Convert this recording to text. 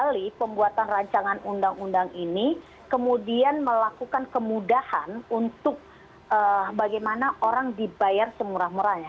kali pembuatan rancangan undang undang ini kemudian melakukan kemudahan untuk bagaimana orang dibayar semurah murahnya